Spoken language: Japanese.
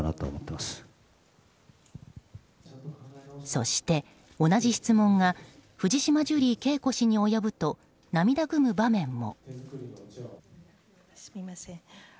そして、同じ質問が藤島ジュリー景子氏に及ぶと涙ぐむ場面も。